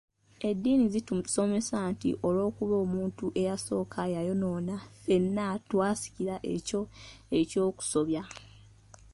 Eddiini zitusomesa nti olw'okuba omuntu eyasooka yayonoona ffenna twasikira ekyo eky'okusobya.